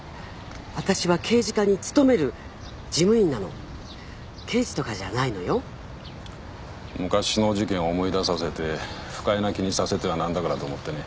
私は刑事課に勤める事務員なの刑事とかじゃないのよ昔の事件を思い出させて不快な気にさせてはなんだからと思ってね